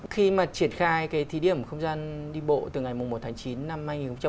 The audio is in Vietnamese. khi mà triển khai cái thí điểm không gian đi bộ từ ngày một tháng chín năm hai nghìn hai mươi